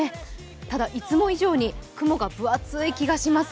ただ、いつも以上に雲が分厚い気がします。